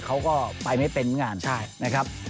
เขาก็ไปไม่เป็นงานใช่นะครับ